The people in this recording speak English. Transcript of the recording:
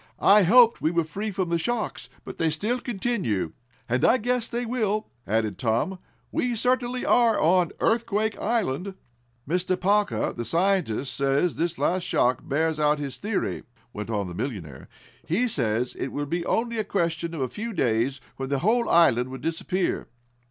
I hoped we were free from the shocks, but they still continue." "And I guess they will," added Tom. "We certainly are on Earthquake Island!" "Mr. Parker, the scientist, says this last shock bears out his theory," went on the millionaire. "He says it will be only a question of a few days when the whole island will disappear."